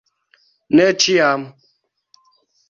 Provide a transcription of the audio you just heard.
Ne ĉiam.